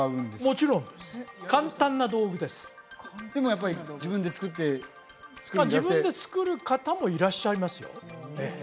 もちろんです簡単な道具ですでもやっぱり自分で作って自分で作る方もいらっしゃいますよええ